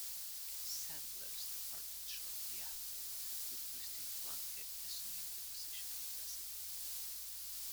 Sanders departed shortly after, with Christine Plunkett assuming the position of president.